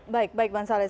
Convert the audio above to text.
baik baik bang saleh